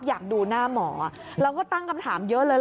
อยากดูหน้าหมอเราก็ตั้งคำถามเยอะเลย